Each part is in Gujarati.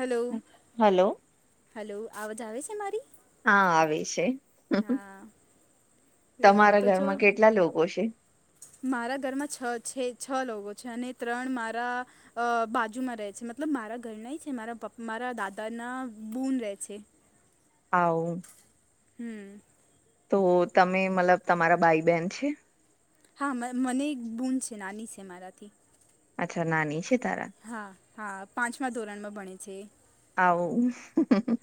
Hello hello. હલો અવાજ આવે છે મારી હા આવે છે હા એ તમારા તો જો ઘરમાં કેટલા લોકો છે મારા ઘરમાં છ છે છ લોકો છે અને ત્રણ મારા અ બાજુમાં રહે છે મતલબ મારા ઘરના છે મારાપ્પ મારા દાદાના બૂન રહે છે હવ હમ તો તમે મતલબ તમારા ભાઈ બહેન છે હા મને એક બૂન છે નાની છે મારાથી અચ્છા નાની છે તારા હા હા પાંચમા ધોરણમાં ભણે છે આવ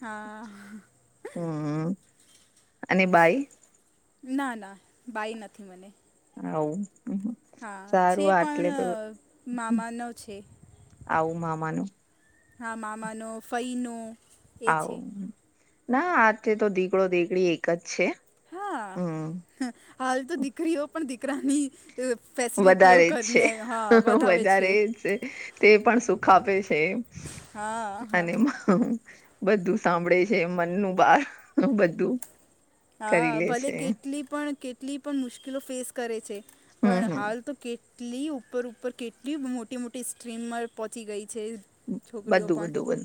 હા હમ અને બાઈ ના ના બાઈ નથી મને હવ હા છે પણ મામા ન છે આવું મામાનું હા મામાનું ફઈ નો આવ ના આજે તો દીકડો દીકડી એક જ છે હા હમ હાલ તો દીકરીઓ પણ દીકરાની ફેસિલિટીઓ વધારે જ છે કરીને હા વધાવે વધારે જ છે તે પણ સુખ આપે છે હા હા અને બધું સાંભળે છે મનનું બાર બધું હા કરી લે ભલે છે. કેટલી પણ કેટલી પણ મુશ્કેલો ફેસ કરે છે હમ પણ હમ હાલ તો કે કેટલી ઉપર ઉપર કેટલી મોટી મોટી સ્ટ્રીમમાં પહોંચી ગઈ છે બધું છોકરીઓ બધું પણ બધું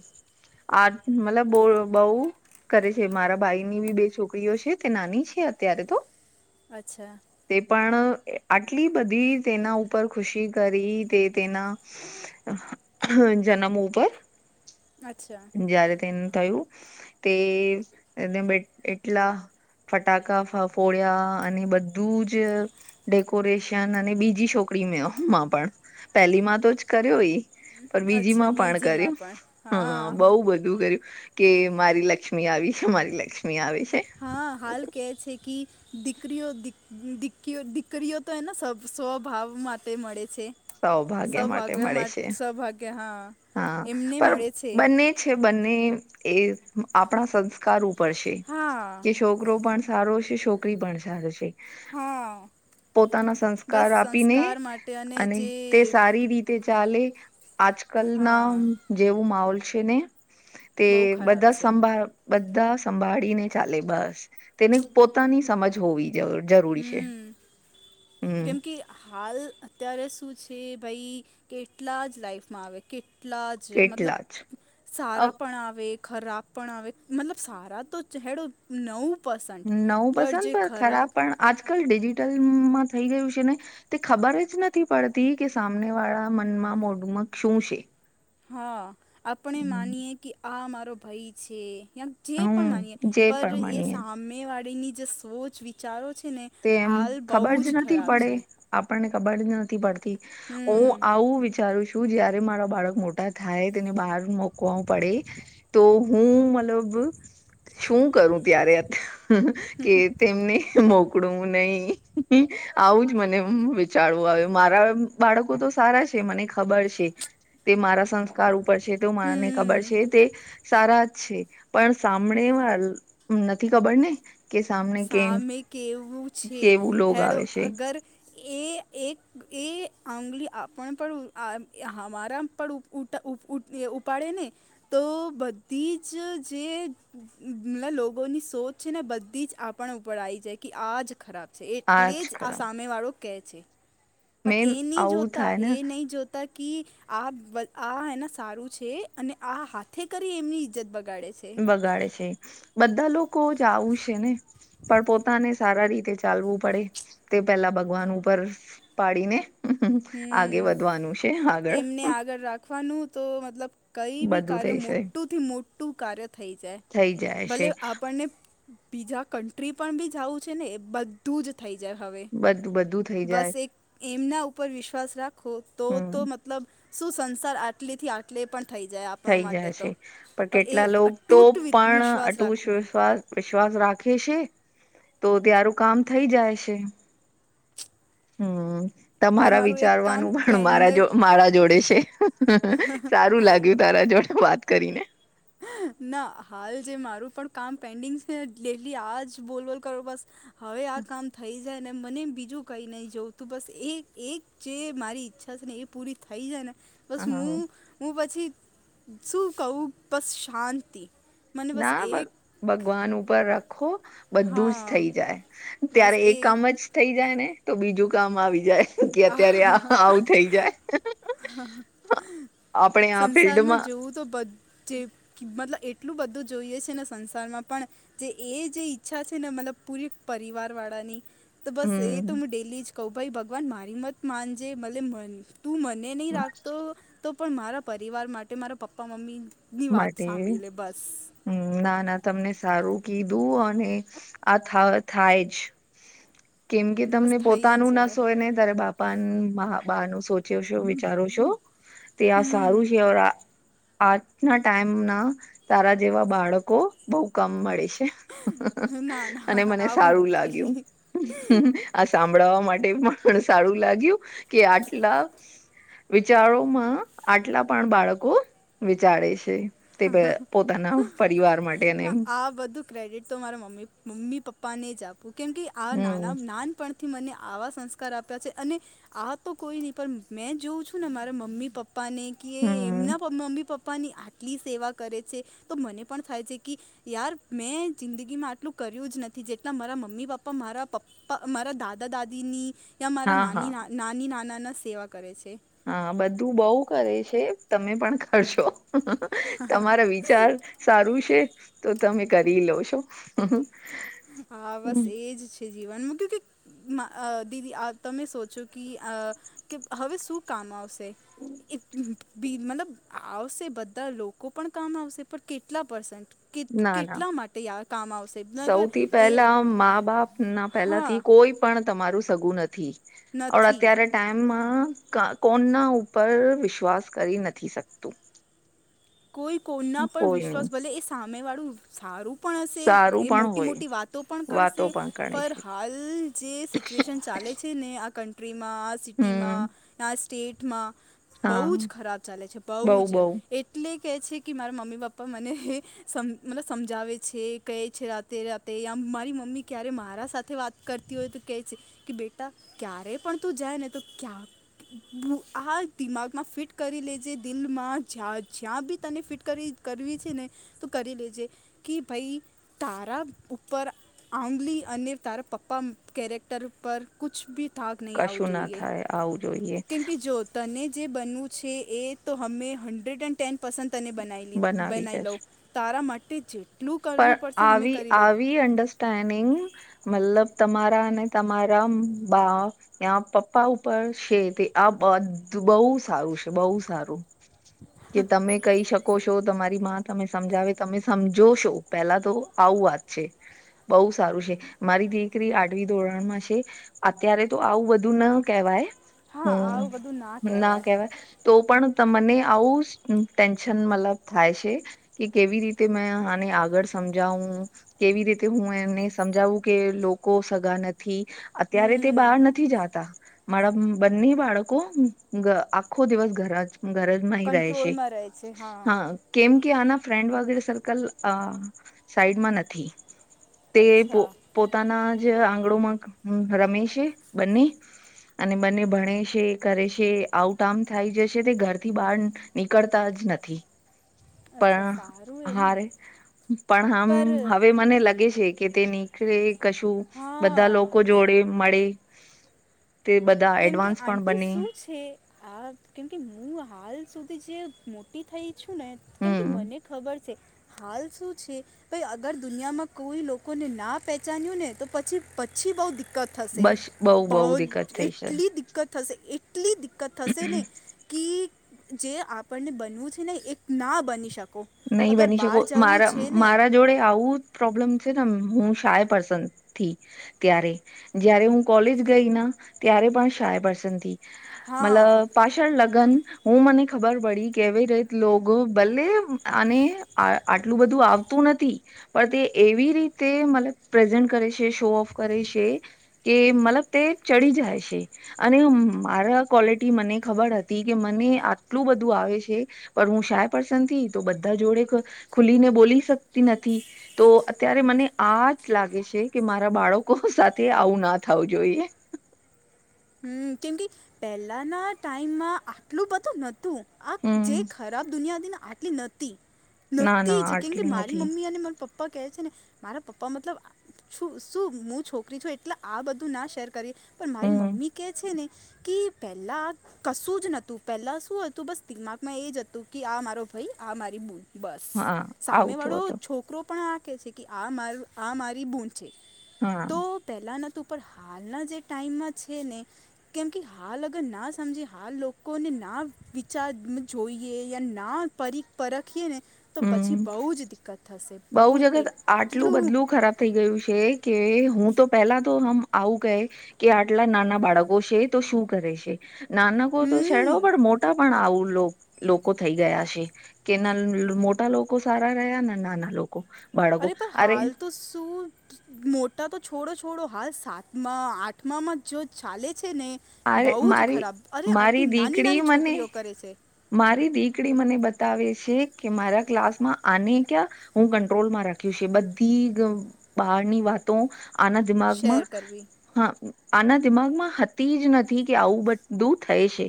આ મતલબ બ બહુ કરે છે મારા ભાઈ ની બી બે છોકરીઓ છે તે નાની છે અત્યારે તો અચ્છા તે પણ આટલી બધી તેના ઉપર ખુશી કરી તે તેના અ જન્મ ઉપર અચ્છા જયારે તેને થયું તે એટલા ફટાકા ફ ફોડયા અને બધું જ ડેકોરેશન અને બીજી છોકરી મે માં પણ પહેલી માં તો જ કર્યો ય પણ અચ્છા બીજીમાં પણ બીજીમાં કરી્યું પણ હ હા હા બહ બધું હું કર્યું કે મારી લક્ષ્મી આવી છે મારી લક્ષ્મી આવી છે હા હાલ કે છે કે દીકરીઓ દી દીરીઓ દીકરીઓ તો એને સ્વભાવ માટે મળે છે સૌભાગ્ય માટે સૌભાગ્ય હા હા એમને પણ મળે છે બંને છે બંને એ આપણા સંસ્કાર રો પડશે હા કે છોકરો પણ સારો છે છોકરી પણ સારો છે. હા પોતાના બસ સંસ્કાર આપીને સંસ્કાર માટે અને જે તે સારી રીતે તે ચાલે આજ કલ ના હા જેવું માહોલ છે ને તે બહુ ખરાબ બધા છે સંભાળ બધા સંભાળીને ચાલે બસ તેને પોતાની સમજ હોવી જરૂર જરૂર હમ કેમકે હાલ અત્યારે શું છે ભાઈ કેટલા જ લાઈફમાં આવે કેટલા જ મતલબ એટલા જ અ સારા પણ આવે ખરાબ પણ આવે મતલબ સારા તો હેડ નવું પસન નવું પણ પસંદ જે પર ખરાબ પણ આજકાલ ડિજિટલમાં થઈ ગયું છે ને. તે ખબર જ નથી પડતી કે સામને વાળા મનમાં મોઢુંમગ શું છે હા આપણે માનીયએ કે આ મારો ભાઈ છે યાં જે પણ હમ માનીએ જે પર એ પ્રમાણીએ સામેવાળીની જે સોચ વિચારો છે ને તે એમ હાલ બહુ ખબર જ નથી ખરાબ પડે. છે આપણને ખબર જ નથી પડતી હમ હું આવું વિચારું છુ શું જયારે મારા બાળક મોટા થાય તેને બહાર મોકવા પડે તો હું મતલબ શું કરું ત્યારે કે તેમને મો કડું નહી આવું જ મને વિચારવું આવ મારા બાળકો તો સારા છે મને ખબર છે તે મારા સંસ્ કાર ઉપર છે તે મને હમ ખબર છે તે સારા જ છે પણ સાામળ વા નથી ખબર ને કે સામને કેમ સામે કેવું છે કેવું લોગ હેડો આવે છે અગર એ એક એ આંગલી આપણ પડ અમારા પડ ઉટ ઉપાડે ને તો બધી જ જે લોકોની સોચ છે ને બધી જ આપણ ઉપર આવી જાય કે આ જ ખરાબ છે એટલે આજ જ આ ખરા સામેવાળો કહે છે પણ મેન એ નહી આવું જોતા થાય ને એ નહી જોતા કે આ આ એના સારું છે અને આ હાથે કરી એમની ઈજ્જત બગાડે છે. બગાડે છે બધા લોકો જ આવું છે ને પણ પોતાને સારા રીતે ચાલવું પડે તે પેલા ભગવાન ઉપર પાડીને આગે વધવાનું છે આગળ ને આગળ રાખ વાનું તો મતલબ કઈ બી બધું કાર્ય થઈ છે મોટુંથી મોટું કાર્ય થઈ જાય થઈ જાય છે ભલે આપણને બીજા કન્ટ્રી પણ બી જઉું છે ને એ બધું જ થઈ જાય હવે. બ બધું થઈ બસ જાય એક એમના ઉપર વિશ્વાસ રાખો તો હમ તો મતલબ શું સંસાર આટલીથી આ એટલે પણ થઈ જાય આપ થઈ જાય છે પણ કેટલા લોકો તો અતૂટ પણ વિશ્વાસ અટુંટ રાખવું વિશ્વાસ વિશ્વાસ રાખે છે તો ત્યારું કામ થઈ જાય છે. હમ્મ. હાલ તમારા મારું એક વિચારવાનું કામ પણ પેન્ડ મારા મારા જોડે છે સારું લાગયુ તારા જોડે વાત કરીને ના હાલ જે મારું પણ કામ પેન્ડિંગ છે ડેલી આજ બોલ બોલ કરો બસ હવે આ કામ થઈ જાય ને મને એમ બીજું કંઈ નહીં જોવુંતું બસ એ એક જે મારી ઈચ્છા છે ને એ પૂરી થઈ જાય ને બસ હ હું હું પછી શું કહું બસ શાંતિ મને બસ ના એક ભગવાન ઉપર રાખો. બધું જ હા થઈ જાય બસ ત્યારે એ એક કામ જ થઈ જાય ને તો બીજું કામ આવી જાય તો કે અત્યારે આ આવું થઈ જાય આપણે આ સંસારમાં ફિલ્ડમાં જોવું તો બ જે મતલબ એટલું બધું જોઈએ છે ને સંસારમાં પણ જે એ જે ઈચ્છા છે ને મતલબ પૂરી પરિવાર વાળાની તો બસ એ હમ તો હું ડેલી જ કહ ભાઈ ભગવાન મારી મત માનજે મલે મને. તું મને નહીં રાખતો તો પણ મારા પરિવાર માટે મારા પપ્પા મમ્મી. માટે. હમ ના ના તમને સારું કીધું અને આ થ થાય જ. કેમ કે બસ તમને થઈ પોતાનું જાય નાસોયને. તારે બાપા બા નું સોચ્યો છું વિચારો છો. તે આ હમ સારું છેર આ આ. ના ટાઈમ ના તારા જેવા બાળકો બઉુ કામ મળે છે. ના અને ના મને આવું સારું લાગ્યું. નથી આ સાંભળાવવા માટે પણ પણ સારું લાગ્યું કે આટલા. વિચારોમાં આટલા પણ બાળકો. ચડે છે તે પોતાના પરિવાર માટે અને. ના આ બધું ક્રેડિટ તો મારા મમ્મી મમ્મી પપ્પાને જ આપવું કેમ કે આ નાના નાન. પણથી મને આવા સંસ્કાર આપ્યા છે અને આ તો કોઈ નહી પણ મેં જોવું છું ને મારા મમ્મી પપ્પા. પપ્પાને કે હમ એમના મમ્મી પપ્પાની આટલી સેવા કરે છે તો મને પણ થાય છે કે. યાર મેં જિંદગીમાં આટલું કર્યું જ નથી જેટલા મારા મમ્મી પપ્પા મારા પપ્પા. પા. મારા દાદા-દાદીની યા મારા હા હા નાની, નાની - નાના ના સેવા કરે છે. હા બધું બોવ કરે છે. તમે પણ કરશો તમારા વિચાર સારું છે, તો તમે કરી લો છો. અ હ. હા બસ એજ છે જીવનમાં ક કે મા અ દીદી આ તમે સોચો કે કે હવે શું કામ આવશે? [inaudible] બી મતલબ આવશે. બધા લોકો પણ કામ આવશે પણ કેટલા પર્સેન્ટ? કે ના ના કેટલા માટે કામ આવશે ગર સૌથી પહેલા મા - બાપ ના હા પહેલાથી કોઈ પણ તમારું સગું નથી. નથી અત્યારે ટાઈમમાં ક કોણના ઉપર વિશ્વાસ કરી નથી શકતું. કોઈ કોઈના પણ કોઈ નહી વિશ્વાસ ભલે એ સામે વાળું સારું પણ હશે સારું એ પણ મોટી હોય મોટી વાત તો પણ કરશે, વાતો ગણે પણ છે હાલ જે સિચ્યુએશન ચાલે છે, ને આ કન્ટ્રીમાં આ હમ સિટીમાં, આ સ્ટેટમાં, હા બહુ જ ખરાબ ચાલે છે. બઉ બહુ જ બઉ એટલે કહે છે કે મારા મમ્મી -પપ્પા મને. સમ મતલબ સમજાવે છે કહે છે. રાતે -રાતે આમ મારી મમ્મી ક્યારે મારા સાથે વાત કરતી હોય તો કે છે, કે બેટા ક્યારે પણ તું જાય ને તો ક્યાં આ દિમાગમાં ફિટ કરી લેજે દિલમાં જા જ્યાં બી તને ફિટ કરી કરવી છે ને તો કરી લેજે. કે ભઈ તારા ઉપ ઉપર આંગલી અને તારા પપ્પા કેરેક્ટર પર કુછ ભી થાક નહી આવું કશું ના જોઈએ, થાય આવું જોઈએ કેમ કે જો તને જે બનવું છે. એ તો હમે હન્ડ્રેડ એન્ડ ટેન પર્સન્ટ તને બનાવી બેનઈ લોવ તારા મટી ચે. પણ આવી, આવી અંડર સ્ટેન્ડિંગ મલબ તમારા અને તમારા બા ત્યાં પપ્પા ઉપર છે, તે આ બધું બહુ સારું છે. બહુ સારું. કે તમે કહી શકો છો. તમારી માં તમે સમજાવે તમે સમજો શો. પેલા તો આવું વાત છે, બહુ સારું છે. મારી દીકરી આઢવી ધોરણમાં છે. અત્યારે તો આવું બધું ના કહેવાય. હા હમ આવું બધું ના કહેવાય. તો પણ તમને આવું ટેન્શન મલબ થાય છે. કે કેવી રીતે મેં આને અગર સમજાવું, કેવી રીતે હું એને સમજાવું કે લોકો સગા નથી થી અત્યારે તે હમ બહાર નથી જતા. મારા બંને બાળકો આખો દિવસ ઘ ઘરે જ મૈ રહે છે. કંટ્રોલમાં રહે છે હા કેમ કે આના ફ્રેન્ડ વગેરે સર્કલ અ સાઈડમાં નથી. તે પો અચ્છા પોતાના જ આંગણોમાં રમે છે, બંને. અને બંને ભણે છે, કરે છે. આઉટ આમ થાય જશે તે ઘરથી બાર નીકળતા જ નથી. અચ્છા પણ સારું એ ને હારે પણ આમ પર હવે મને લગે છે કે તેની નિકણે કશું હા બધા લોકો જોડે મળે. તે બધા કેમ કે એડવાન્સ પણ આંટી બને. શું છે. આ કેમકે હું હાલ સુધી જે મોટી થઈ છુંને કેમકે હમ મને ખબર છે, હાલ શું છે? કોઈ અગર દુનિયામાં કોઈ લોકોને ના પહેચાન્યું ને તો પછી પછી બઉ દિકકત થશે. બસ બઉ બઉ બો જ દિકકત થઈ છે એટલી દિકકત થશે એટલી દિકકત થશે ને કે જે આપણને બનવું છે ને એક ના બની શકો. નહી અગર બની બહાર શકો જવું મારા છે ને મારા જોડે આવું પ્રોબ્લેમ છે ને હું શાય પર્સંદથી. ત્યારે જ્યારે હું કોલેજ ગઈ ના ત્યારે પણ શાય પર્સંદથી. મલ હા પા લગન હું મને ખબર પડી કેવી રીત ભલે અને આ આટલું બધું આવતું નથી. પણ તે એવી રીતે મતબ પ્રેઝન્ટ કરે છે શો ઓફ કરે છે. કે મલબ તે ચડી જાયશે. અને મારા ક્વોલિટી મને ખબર હતી કે મને આટલું બધું આવે છે. પણ હું શાય પર્સંદ થી તો બધા જોડે ખુલીને બોલી શકતી નથી. તો અત્યારે મને આ જ લાગે છે કે મારા બાળકો સાથે આવું ના થવું જોઈએ. હમ કેમ કે પહેલાના ટાઈમમાં આટલું બધું નતું આ જે હમ ખ રા દુનિયા આટલી નતી ના ના નતીજ કેમ કે આટલી નથી મારી મમ્મી અને મા પપ્પા પપ્પા કહે છે ને મારા પપ્પા મતલબ ું શું હું છોકરી છું એટલે આ બધું ના શેર કરીએ પણ મારી હમ મમ્મી કે છે ને કે પહેલા કશું જ નતું પહેલા શું હતું બસ દિમાગમાં એ જ હતું કે આ મારો ભાઈ આ મારી બૂન બસ હા સામે આવતો વાળો હતો છોકરો પણ આખે છે કે આ મા આ મારી બૂન છે હા તો પહેલાંના તો પણ હાલના જે ટાઈમમાં છે ને કેમ કે હાલ અગર ના સમજી હાલ લોકોને ના વિચાર જોઈએ યા ના પરિ પરખીએ ને તો પછી હમ બહુ જ દિક્કત થશે બઉ બહુ જ જગત આટલું એટલું બધલું ખરાબ થઈ ગયું છે કે હું તો પેલા તો હમ આવું ગહે કે આટલા નાના બાળકો છે તો શું કરે છે. નાનકો તો હમ છેડો પણ મોટા પણ આવું લોકો થઈ ગયા છે કેનાલ મોટા લોકો સારા રહ્યા ને નાના લોકો અરે પણ હાલ તો શું મોટા તો છોડો છોડો હાલ સાતમાં આઠમામાં જો ચાલે છે ને અરે બઉ જ મારી ખરાબ અરે મારી આટલી નાની દીકરી નાની મને છોકરીઓ કરે છે. મારી દીકરી મને બતાવે છે કે મારા ક્લાસમાં આને ક્યા હું કંટ્રોલમાં રાખ્યું છે બધી બહારની વાતો આના શેર દિમાગમાં કરવી હ આના દિમાગમાં તી જ નથી કે આવું બ દું થય છે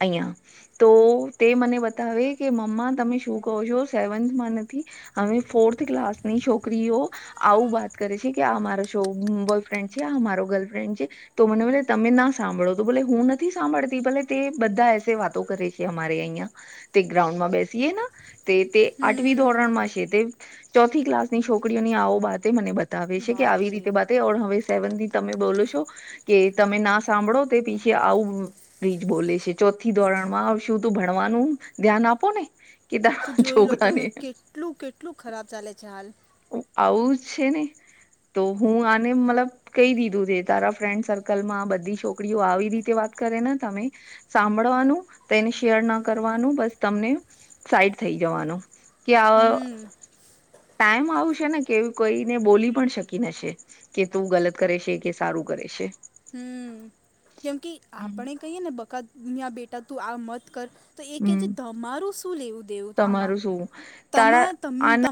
અહિંયા તો તે મને બતાવે કે મમ્મા તમે શું કહો છો સેવન્થમાં નથી હમે ફોર્થ ક્લાસની છોકરીઓ આવું વાત કરે છે કે આ મારો શ બોયફ્રેન્ડ છે આ મારો ગર્લફ્રેન્ડ છે તો મને મ તમે ના સાંભળો તો ભલે હું નથી સાંભળતી ભલે તે બધા એસે વાતો કરે છે અમારે અહિયાં તે ગ્રાઉન્ડમાં બેસીએ ને તે તે આઠમ ધોરણ હમ માં છે તે ચોથી ક્લાસ ની છોકરીઓની આવો બાતે મને બતા આવે છે કે આવી બાપરે રીતે વાતે ઓ હવે સેવન ની તમે બોલો છો કે તમે ના સાંભળો તે પીછી આવું બ્રીજ બોલે છે ચોથી ધોરણમાં શું તું ભણવાનું ધ્યાન આપો ને કેધા તો જોઈ લો ઝોકડા ને તમે કેટલું કેટલું ખરાબ ચાલે છે હાલ આવું જ છે ને તો હું આને મતલબ કઈ દીધું છે તારા ફ્રેન્ડ સર્કલમાં બધી છોકરીઓ આવી રીતે વાત કરે ને તમે સાંભળવાનું તેને શેર ના કરવાનું બસ તમને સાઈડ થઈ જવાનું કે આ હમ ટાઈમ આવ છે ને કે કોઈને બોલી પણ શકી નશે કે તું ગલત કરે છે કે સારું કરે છે હમ કેમ કે આપણે કહીયએ ને બકાદ આ બેટા તું આ મત કર એ કે જે હમ તમારું શું લેવું દેવું તમારું શું તારા આને આમાં